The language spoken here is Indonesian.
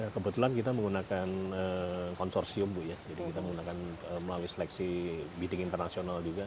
kebetulan kita menggunakan konsorsium bu ya jadi kita menggunakan melalui seleksi bidding internasional juga